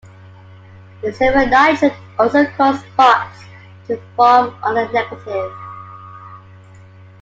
The silver nitrate also caused spots to form on the negative.